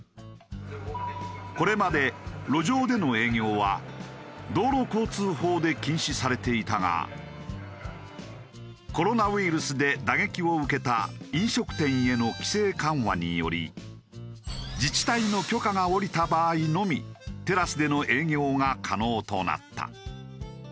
これまで路上での営業は道路交通法で禁止されていたがコロナウイルスで打撃を受けた飲食店への規制緩和により自治体の許可が下りた場合のみテラスでの営業が可能となった。